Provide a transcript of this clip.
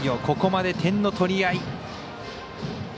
ここまで点の取り合い。